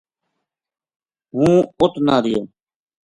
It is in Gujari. ہوں اُت نہ رہیو